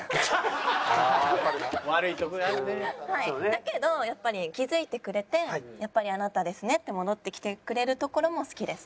だけどやっぱり気づいてくれてやっぱりあなたですねって戻って来てくれるところも好きです。